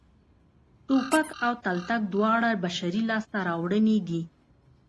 ټوپک او تلتک دواړه بشري لاسته راوړنې دي